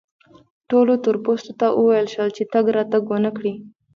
ټولو تور پوستو ته وویل شول چې تګ راتګ و نه کړي.